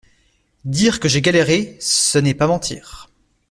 Dire que j’ai galéré, ce n’est pas mentir.